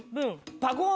パコン？